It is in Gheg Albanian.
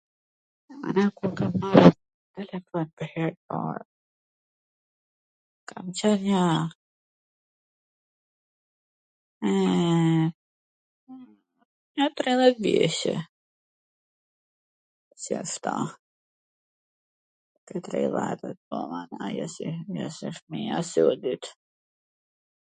Mana, kur kam marr telefon pwr her t par, kam qwn nja eeee nja tridhet vjeCe... shishto ... te tridhetat, po mor... jo si so si fmija e sodit